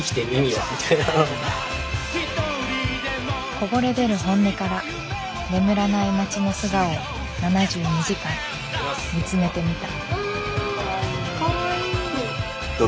こぼれ出る本音から眠らない街の素顔を７２時間見つめてみた。